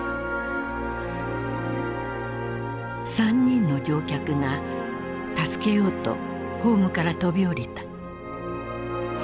３人の乗客が助けようとホームから飛び降りた。